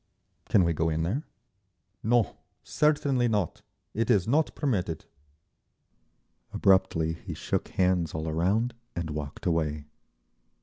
"Can we go in there?" "No. Certainly not. It is not permitted." Abruptly he shook hands all around and walked away.